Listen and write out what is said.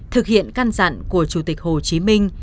thực hiện căn dặn của chủ tịch hồ chí minh